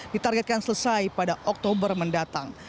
ditargetkan selesai pada oktober mendatang